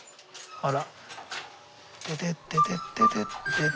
あら？